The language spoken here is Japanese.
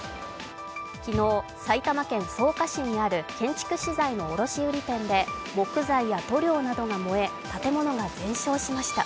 昨日埼玉県草加市にある建築資材の卸売店で木材や塗料などが燃え、建物が全焼しました。